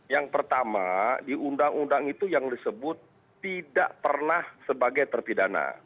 yang pertama di undang undang itu yang disebut tidak pernah sebagai terpidana